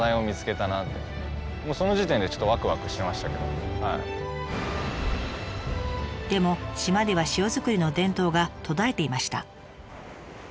何かこれはすごいでも島では塩作りの伝統が途絶えていました。